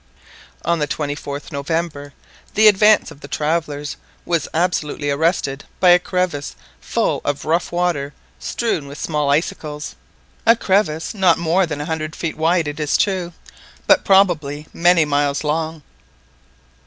On the 24th November the advance of the travellers was absolutely arrested by a crevasse full of rough water strewn with small icicles—a crevasse not more than a hundred feet wide, it is true, but probably many miles long.